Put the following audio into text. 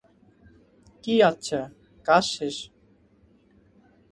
কী, আচ্ছা, কাজ শেষ।